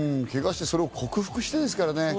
けがして、それを克服してですからね。